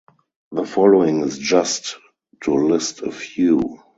The following is just to list a few.